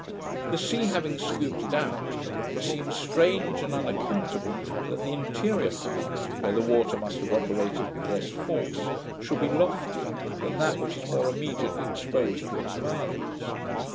The sea having scooped it out, it seems strange and unaccountable that the interior part, where the water must have operated with less force, should be loftier than that which is more immediately exposed to its violence.